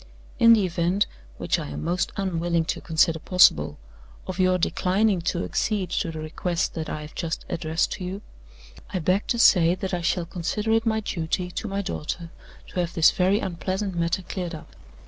In the event (which I am most unwilling to consider possible) of your declining to accede to the request that I have just addressed to you, I beg to say that I shall consider it my duty to my daughter to have this very unpleasant matter cleared up.